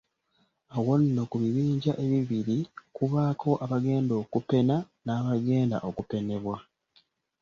Awo nno ku bibinja ebibiri kubaako abagenda okupena n'abagenda okupenebwa.